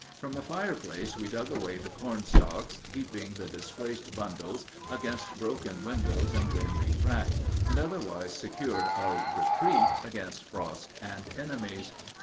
From the fireplace we dug away the corn stalks, heaping the displaced bundles against broken windows and windy cracks, and otherwise secured our retreat against frost and enemies.